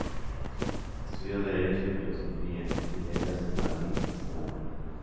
Estudió derecho y filosofía y letras en Madrid y Salamanca.